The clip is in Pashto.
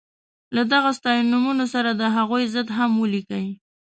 له دغو ستاینومونو سره د هغوی ضد هم ولیکئ.